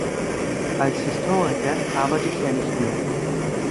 Als Historiker arbeitet er nicht mehr.